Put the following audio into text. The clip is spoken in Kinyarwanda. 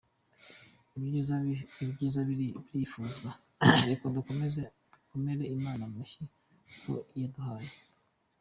Ibyiza birifuzwa, reka dukomere Imana amashyi ko iyaduhaye.